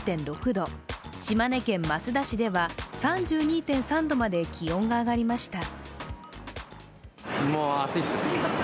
島根県益田市では３２．３度まで気温が上がりました。